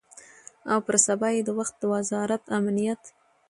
او پر سبا یې د وخت وزارت امنیت